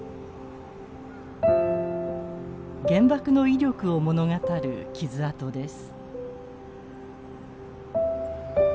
原爆の威力を物語る傷痕です。